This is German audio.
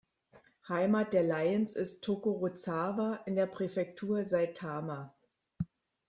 Heimat der Lions ist Tokorozawa in der Präfektur Saitama.